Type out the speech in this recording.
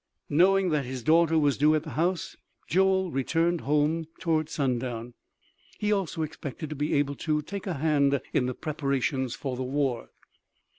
Knowing that his daughter was due at the house, Joel returned home towards sun down. He also expected to be able to take a hand in the preparations for the war.